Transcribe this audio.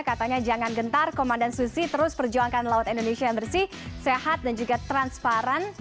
katanya jangan gentar komandan susi terus perjuangkan laut indonesia yang bersih sehat dan juga transparan